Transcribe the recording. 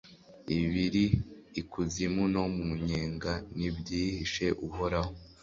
ibiri ikuzimu no mu nyenga ntibyihishe uhoraho